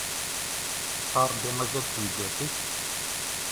Yesɛa Ṛebbi azal deg tmeddurt-ik?